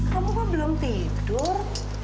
kamu kok belum tidur